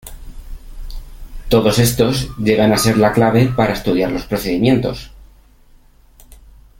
Todos estos llegan a ser la clave para estudiar los procedimientos.